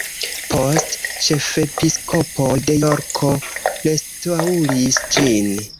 Poste ĉefepiskopoj de Jorko restaŭris ĝin.